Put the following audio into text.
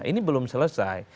ini belum selesai